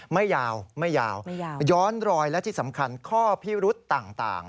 ไม่ยาวไม่ยาวย้อนรอยและที่สำคัญข้อพิรุษต่าง